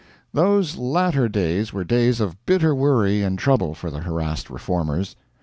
Those latter days were days of bitter worry and trouble for the harassed Reformers.